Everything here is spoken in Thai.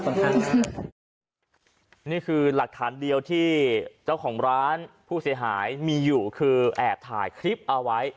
นี่คือหลักฐานเดียวที่เจ้าของร้านผู้เสียหายมีอยู่คือแอบถ่ายคลิปเอาไว้